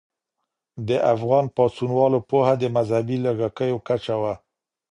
د افغان پاڅونوالو پوهه د مذهبي لږکیو کچه وه.